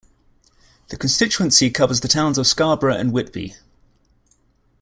The constituency covers the towns of Scarborough and Whitby.